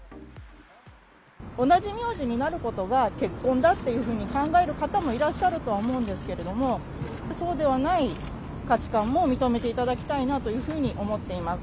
同じ名字になることが結婚だというふうに考える方もいらっしゃるとは思うんですけれども、そうではない価値観も認めていただきたいなというふうに思っています。